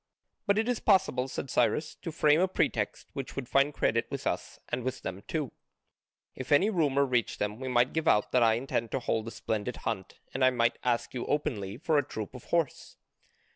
"But it is possible," said Cyrus, "to frame a pretext which would find credit with us and with them too, if any rumour reached them. We might give out that I intend to hold a splendid hunt and I might ask you openly for a troop of horse."